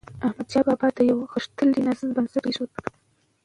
احمدشاه بابا د یو غښتلي نظام بنسټ کېښود.